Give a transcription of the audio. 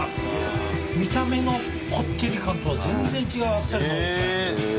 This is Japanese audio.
見た目のこってり感とは全然違うあっさりのおいしさ。